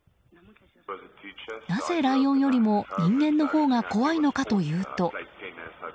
なぜ、ライオンよりも人間のほうが怖いのかというと。